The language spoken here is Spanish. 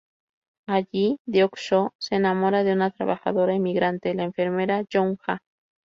Allí, Deok-soo se enamora de una trabajadora emigrante, la enfermera Young-ja.